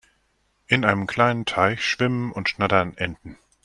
In einem kleinen Teich schwimmen und schnattern Enten.